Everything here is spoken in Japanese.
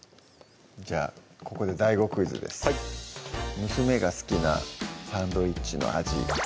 じゃあここでＤＡＩＧＯクイズですはい娘が好きなサンドイッチの味